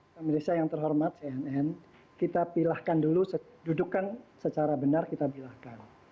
pemerintah yang terhormat cnn kita pilihkan dulu dudukkan secara benar kita pilihkan